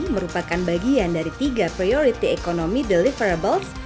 merupakan bagian dari tiga priority ekonomi deliverables